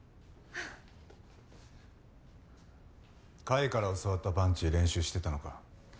甲斐から教わったパンチ練習してたのか。